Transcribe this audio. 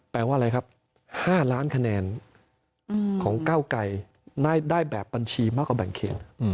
แปลว่าอะไรครับ๕ล้านคะแนนของก้าวไกรได้แบบบัญชีมากกว่าแบ่งเขต